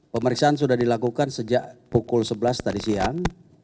pemeriksaan sudah dilakukan sejak pukul sebelas tadi siang